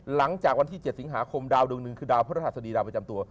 หลังจากวันที่๗สิงหาคมดาวดวงหนึ่งคือดาวพระราชสดีดาวประจำตัว